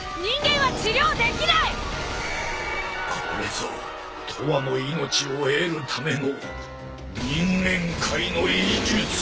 これぞ永遠の命を得るための人間界の医術。